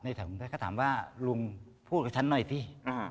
ในสถานกฐานก็ถามว่าลุงพูดกับฉันหน่อยสิ